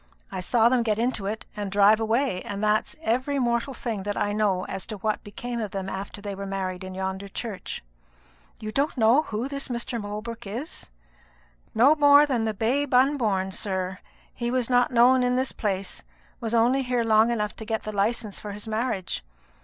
I saw them get into it and drive away; and that's every mortal thing that I know as to what became of them after they were married in yonder church." "You don't know who this Mr. Holbrook is?" "No more than the babe unborn, sir. He was a stranger in this place, was only here long enough to get the license for his marriage.